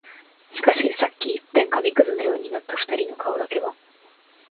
しかし、さっき一片紙屑のようになった二人の顔だけは、